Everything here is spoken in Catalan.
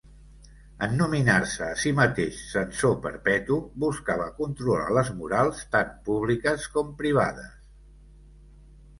En nominar-se a si mateix censor perpetu, buscava controlar les morals tant públiques com privades.